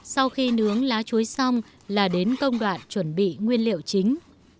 sau khi nướng lá chuối xong là đến công đoạn chuẩn bị nguyên liệu chính